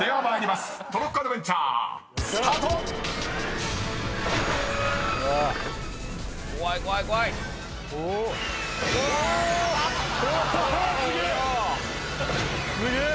すげえ！